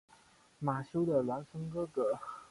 马修的孪生哥哥。